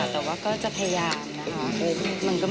แต่ว่าก็จะพยายามนะคะ